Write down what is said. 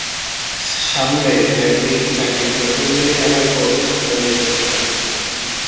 সামলে, ম্যাভরিক, চাকরির প্রথমদিনেই আবার বরখাস্ত হয়ে বসো না।